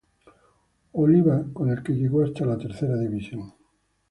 Oliva, con el que llegó hasta la tercera división.